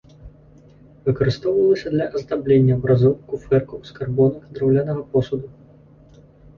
Выкарыстоўвалася для аздаблення абразоў, куфэркаў, скарбонак, драўлянага посуду.